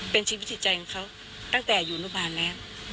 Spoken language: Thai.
เป็นชีวิตจิตใจของเขาตั้งแต่อยู่อนุบาลแล้ว